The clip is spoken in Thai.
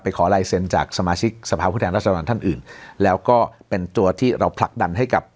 ขอลายเซ็นต์จากสมาชิกสภาพผู้แทนรัศดรท่านอื่นแล้วก็เป็นตัวที่เราผลักดันให้กับ